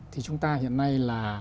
thì chúng ta hiện nay